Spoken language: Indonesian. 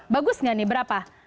bagus gak nih berapa